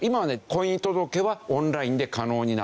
婚姻届はオンラインで可能になった。